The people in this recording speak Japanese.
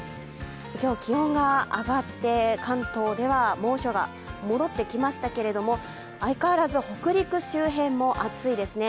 今日、気温が上がって関東では猛暑が戻ってきましたけれども、相変わらず北陸周辺も暑いですね。